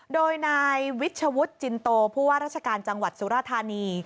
โดยนายวิชวุฒิจินโตผู้ว่าราชการจังหวัดสุราธานี